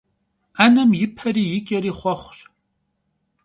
'enem yi peri yi ç'eri xhuexhuş.